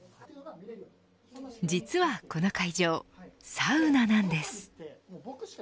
実は、この会場サウナなんです。